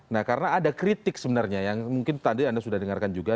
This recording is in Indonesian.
nah karena ada kritik sebenarnya yang mungkin tadi anda sudah dengarkan juga